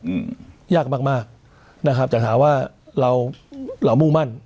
อืมยากมากมากนะครับแต่ถามว่าเราเรามุ่งมั่น